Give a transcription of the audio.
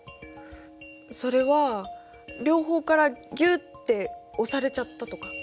それは両方からぎゅって押されちゃったとか。